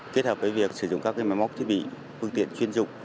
kết hợp với việc sử dụng các máy móc thiết bị phương tiện chuyên dụng